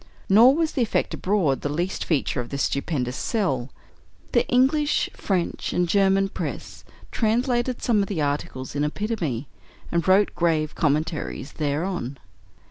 Nor was the effect abroad the least feature of this stupendous "sell." The English, French, and German press translated some of the articles in epitome, and wrote grave commentaries thereon.